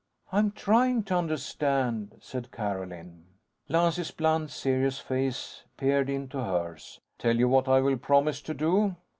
"I'm trying to understand," said Carolyn. Lance's blunt, serious face peered into hers. "Tell you what I will promise to do."